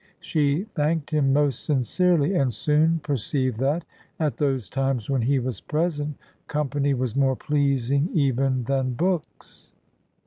She thanked him most sincerely, and soon perceived that, at those times when he was present, company was more pleasing even than books.